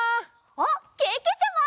あっけけちゃま！